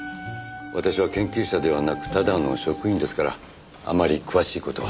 私は研究者ではなくただの職員ですからあまり詳しい事は。